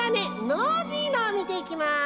ノージーのをみていきます。